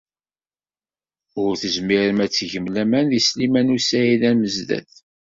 Ur tezmirem ad tgem laman deg Sliman u Saɛid Amezdat.